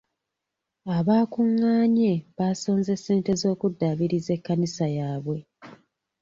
Abaakungaanye baasonze ssente z'okuddabiriza ekkanisa yaabwe.